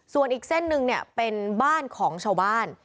ส่วนอีกเส้นหนึ่งเนี่ยเป็นบ้านของชาวบ้าน